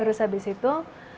terus abis itu